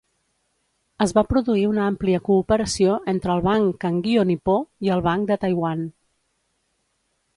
Es va produir una àmplia cooperació entre el Banc Kangyo Nipó i el Banc de Taiwan.